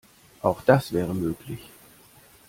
Auch das wäre möglich.